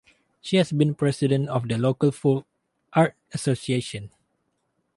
She has been president of the local folk art association.